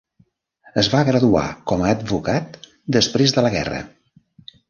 Es va graduar com a advocat després de la guerra.